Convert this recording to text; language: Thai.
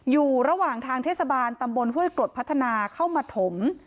อยู่ระหว่างทางเทศบาลตำบลห้วยกรดพัฒนาเข้ามาถม